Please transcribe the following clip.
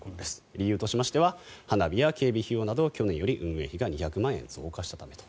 理由としましては花火や警備費用などが前回より２００万円増加したためと。